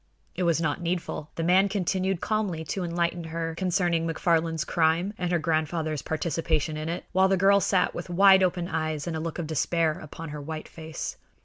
It was not needful. The man continued calmly to enlighten her concerning McFarland's crime and her grandfather's participation in it, while the girl sat with wide open eyes and a look of despair upon her white face.